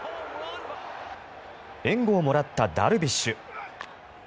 援護をもらったダルビッシュ。